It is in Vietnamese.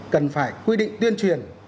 cần phải quy định tuyên truyền